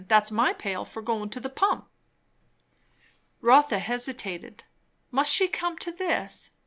That's my pail for goin' to the pump." Rotha hesitated. Must she come to this?